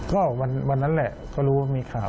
ก็วันนั้นแหละก็รู้ว่ามีข่าว